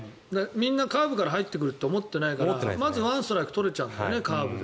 みんなカーブから入ってくると思ってないからまず１ストライク取れちゃうんだよね。